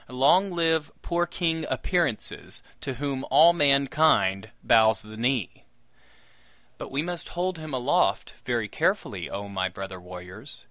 Long live poor King Appearances, to whom all mankind bows the knee! But we must hold him aloft very carefully, oh, my brother warriors!